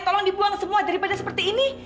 tolong dibuang semua daripada seperti ini